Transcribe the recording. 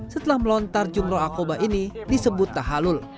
setelah melontar jumlah akoba ini disebut tahalul